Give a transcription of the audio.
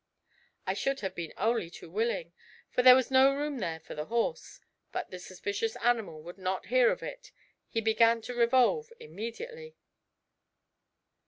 I should have been only too willing, for there was no room there for the horse, but the suspicious animal would not hear of it: he began to revolve immediately.